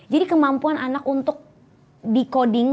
jadi kemampuan anak untuk decoding